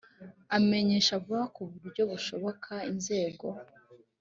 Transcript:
amenyesha vuba ku buryo bushoboka inzego